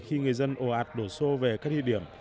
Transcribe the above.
khi người dân ồ ạt đổ xô về các địa điểm